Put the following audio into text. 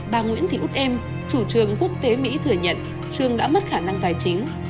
bà nguyễn thị út em chủ trường quốc tế mỹ thừa nhận trường đã mất khả năng tài chính